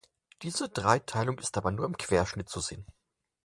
Diese Dreiteilung ist aber nur im Querschnitt zu sehen.